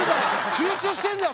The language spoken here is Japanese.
集中してんだよ！